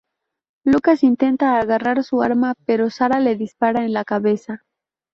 Lucas intenta agarrar su arma, pero Sara le dispara en la cabeza.